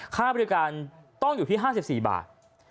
ค่าบริการต้องอยู่ที่๕๔บาท